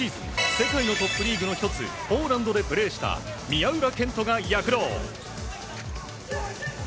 世界のトップリーグの１つポーランドでプレーした宮浦健人が躍動。